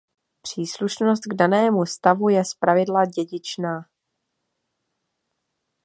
Příslušnost k danému stavu je zpravidla dědičná.